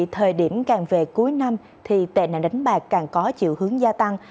thời điểm càng về cuối năm thì tệ nạn đánh bạc càng có chiều hướng gia tăng